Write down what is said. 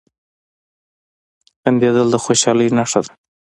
• خندېدل د خوشحالۍ نښه ده.